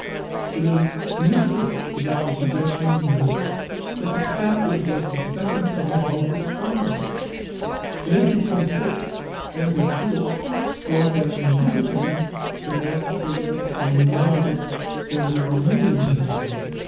It is in this work that the suggestion is made that the captive was the second son of Oliver Cromwell. In 1826, M. de Taules wrote that, in his opinion, the masked prisoner was none other than the Armenian Patriarch.